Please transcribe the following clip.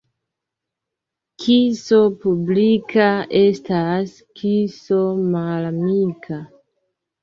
Kiso publika estas kiso malamika.